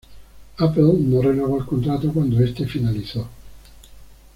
Apple no renovó el contrato cuando este finalizó.